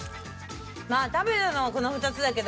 食べたのはこの２つだけど。